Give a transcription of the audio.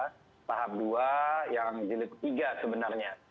tahap dua yang jilid tiga sebenarnya